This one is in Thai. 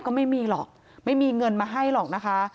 ก็ไม่มีหรอกไม่มีเงินมาให้หรอกนะคะ